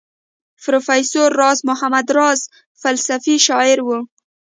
پروفیسر راز محمد راز فلسفي شاعر وو.